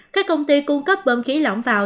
các công ty cung cấp bơm khí lỏng vào